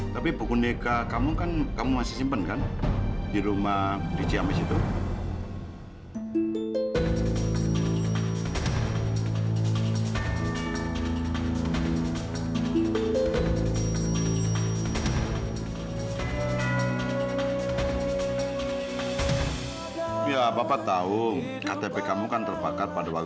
tapi pa vino bener bener cucu pa pa